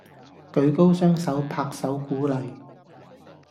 舉高雙手拍手鼓勵